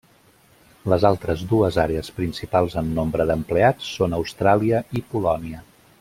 Les altres dues àrees principals en nombre d'empleats són Austràlia i Polònia.